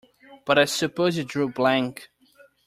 But I suppose you drew blank?